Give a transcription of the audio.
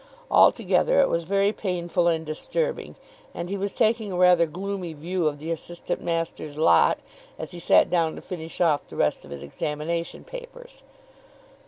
Altogether it was very painful and disturbing, and he was taking a rather gloomy view of the assistant master's lot as he sat down to finish off the rest of his examination papers.